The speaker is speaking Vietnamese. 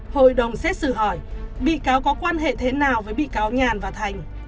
hội đồng xét xử hỏi bị cáo có quan hệ thế nào với bị cáo nhàn và thành